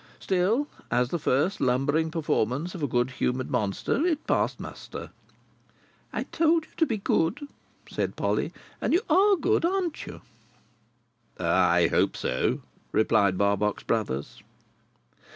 Still, as the first lumbering performance of a good humoured monster, it passed muster. "I told you to be good," said Polly, "and you are good, ain't you?" "I hope so," replied Barbox Brothers.